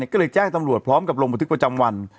ก็เลยแจ้งตำรวจพร้อมกับลงบันทึกประจำวัน